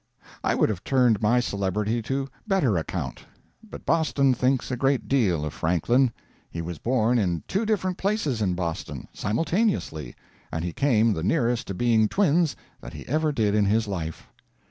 I would have turned my celebrity to better account. But Boston thinks a great deal of Franklin. He was born in two different places in Boston, simultaneously, and he came the nearest to being twins that he ever did in his life.